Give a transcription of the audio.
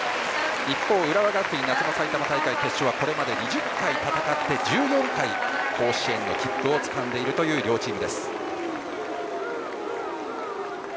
一方、浦和学院夏の埼玉大会決勝はこれまで２０回戦って１４回、甲子園の切符をつかんでいるという両チームです。